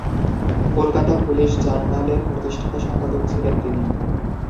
Kolkata police জার্নালের প্রতিষ্ঠাতা সম্পাদক ছিলেন তিনি।